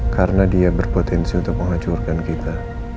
karena dia berpotensi untuk menghancurkan kita